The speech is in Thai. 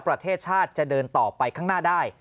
ประเทศชาติจะเดินต่อไปข้างหน้าได้